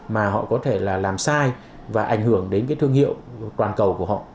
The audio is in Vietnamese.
mà họ có thể là làm sai và ảnh hưởng đến cái thương hiệu toàn cầu của họ